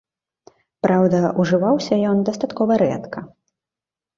Праўда, ужываўся ён дастаткова рэдка.